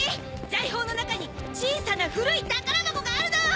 財宝の中に小さな古い宝箱があるの！